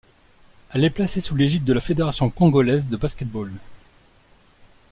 Elle est placée sous l'égide de la Fédération congolaise de basket-ball.